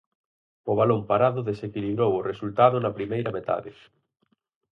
O balón parado desequilibrou o resultado na primeira metade.